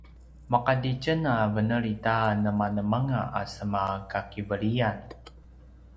maqati tjen a veneli ta nemanemanga a sema kakiveliyan